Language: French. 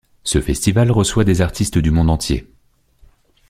Ce festival reçoit des artistes du monde entier.